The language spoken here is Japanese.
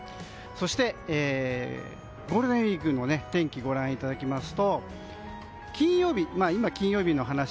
そして、ゴールデンウィークの天気、ご覧いただきます。